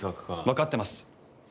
分かってます。